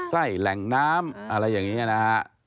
แหล่งน้ำอะไรอย่างนี้นะฮะ